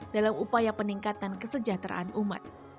dalam upaya peningkatan kesejahteraan umat